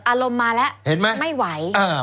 อารมณ์มาแล้วไม่ไหว